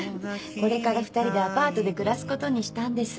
これから２人でアパートで暮らすことにしたんです。